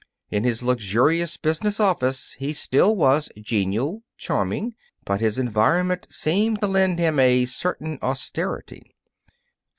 In his luxurious business office he still was genial, charming, but his environment seemed to lend him a certain austerity.